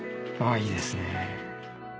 あいいですね。